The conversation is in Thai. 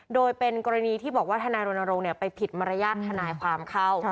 โดยเป็นกรณีที่บอกว่าทนายรณรงค์ไปผิดมารยาทนายความเข้า